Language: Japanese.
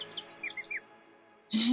え？